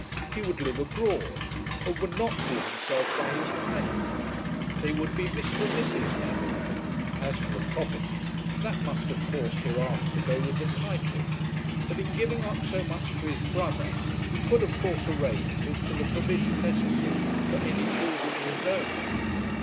He would live abroad, and would not call himself by his title. They would be Mr. and Mrs. Neville. As to the property, that must of course hereafter go with the title, but in giving up so much to his brother, he could of course arrange as to the provision necessary for any children of his own.